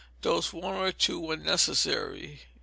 Dose, one or two when necessary.